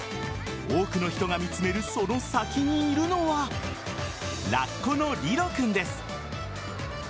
多くの人が見つめるその先にいるのはラッコのリロ君です。